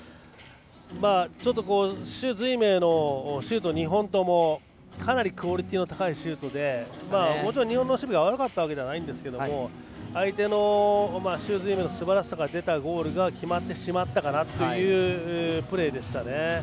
ちょっと朱瑞銘のシュート２本ともかなりクオリティーの高いシュートでもちろん日本の守備は悪くなかったですが相手の朱瑞銘のすばらしさが出たゴールが決まってしまったかなというプレーでしたね。